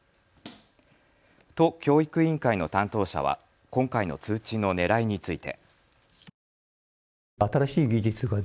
都教育委員会の担当者は今回の通知のねらいについて。